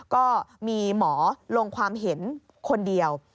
ก็มีหมอลงความเห็นคนเดียว